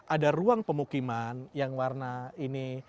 ada ruang pemukiman yang warna ini